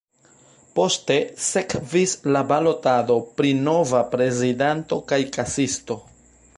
Poste sekvis la balotado pri nova prezidanto kaj kasisto.